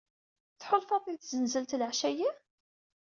Tḥulfaḍ i tzenzelt leɛca-ayyi?